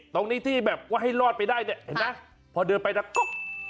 ตรงนี้ที่ให้ได้นี่เห็นไหมพอเดินล่ะ